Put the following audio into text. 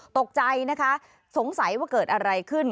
ตกใจนะคะสงสัยว่าเกิดอะไรขึ้น